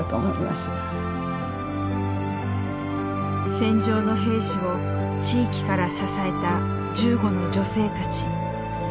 戦場の兵士を地域から支えた銃後の女性たち。